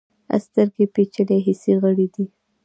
سترګې پیچلي حسي غړي دي.